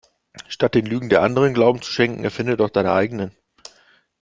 Statt den Lügen der Anderen Glauben zu schenken erfinde doch deine eigenen.